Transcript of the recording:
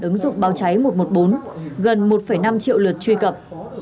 ứng dụng báo cháy một trăm một mươi bốn gần một năm triệu lượt truy cập